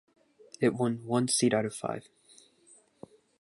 It won one seat out of five.